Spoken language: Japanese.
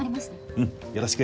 うんよろしく。